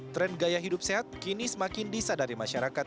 tren gaya hidup sehat kini semakin disadari masyarakat